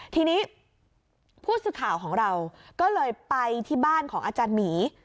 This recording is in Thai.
ทีนี้ผู้สื่อข่าวของเราก็เลยไปที่บ้านของอาจารย์หมี